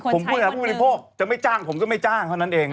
ผมผู้หาผู้บริโภคจะไม่จ้างผมก็ไม่จ้างเท่านั้นเอง